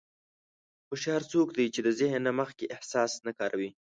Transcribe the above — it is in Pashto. هوښیار څوک دی چې د ذهن نه مخکې احساس نه کاروي.